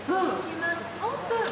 オープン。